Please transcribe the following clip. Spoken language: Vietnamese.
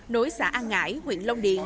nối xã an ngãi huyện long điền